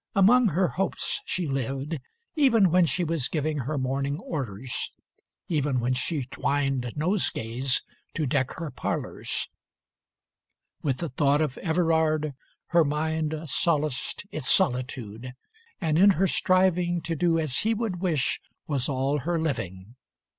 Among Her hopes she lived, even when she was giving Her morning orders, even when she twined Nosegays to deck her parlours. With the thought Of Everard, her mind Solaced its solitude, and in her striving To do as he would wish was all her living.